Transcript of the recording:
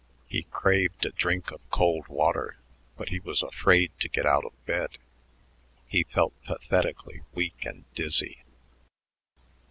He craved a drink of cold water, but he was afraid to get out of bed. He felt pathetically weak and dizzy.